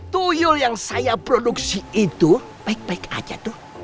tuyu yang saya produksi itu baik baik aja tuh